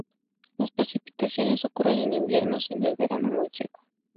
Las precipitaciones ocurren en invierno, siendo el verano muy seco.